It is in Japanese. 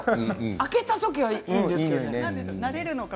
開けた時はいいんですけど。